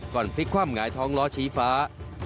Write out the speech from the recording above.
ก่อนพลิกคว่ำหงายท้องล้อชี้ฟ้า